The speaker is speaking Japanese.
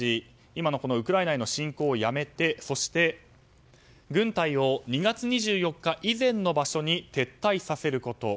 今のウクライナへの侵攻をやめてそして、軍隊を２月２４日以前の場所へ撤退させること。